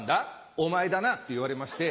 お前だな？」って言われまして。